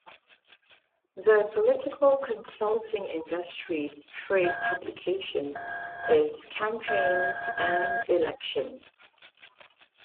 The political consulting industry's trade publication is "Campaigns and Elections".